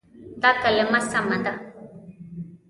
دا کلمه سمه ده.